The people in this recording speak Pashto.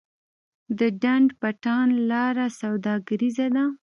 د ډنډ پټان لاره سوداګریزه ده